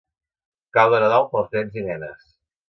Cau de Nadal pels nens i nenes.